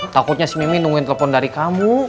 takutnya si mimi nungguin telepon dari kamu